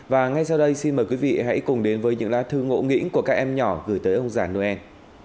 và ngay sau đây xin mời quý vị hãy cùng đến với những lá thư ngộ nghĩnh của các em nhỏ gửi tới ông già noel